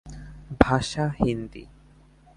ভাষা হিন্দী।